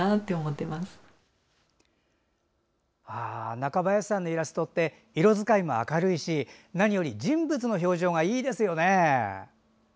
中林さんのイラストって色使いも明るいし何より人物の表情がいいですよね。